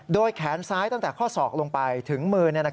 โดยแขนซ้ายตั้งแต่ข้อศอกลงไปถึงมือ